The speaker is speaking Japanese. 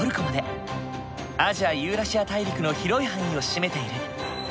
アジアユーラシア大陸の広い範囲を占めている。